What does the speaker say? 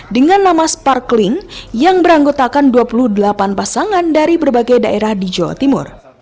dengan nama sparkling yang beranggotakan dua puluh delapan pasangan dari berbagai daerah di jawa timur